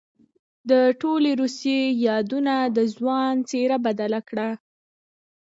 د ټولې روسيې يادونې د ځوان څېره بدله کړه.